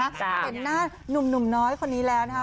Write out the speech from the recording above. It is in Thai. เห็นหน้าหนุ่มน้อยคนนี้แล้วนะคะ